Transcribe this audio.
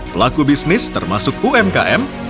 pelaku bisnis termasuk umkm